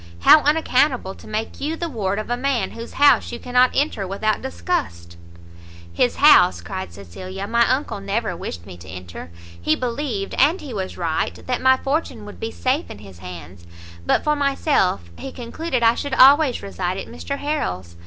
how unaccountable to make you the ward of a man whose house you cannot enter without disgust!" "His house," cried Cecilia, "my uncle never wished me to enter; he believed, and he was right, that my fortune would be safe in his hands; but for myself, he concluded I should always reside at Mr Harrel's."